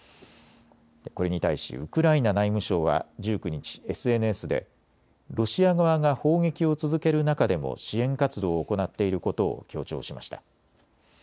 これに対しウクライナ内務省は１９日、ＳＮＳでロシア側が砲撃を続ける中でも支援活動を行っていることを強調しました。